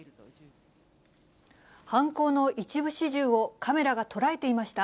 犯行の一部始終をカメラが捉えていました。